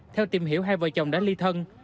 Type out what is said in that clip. theo tìm hiểu hai vợ chồng đã ly thân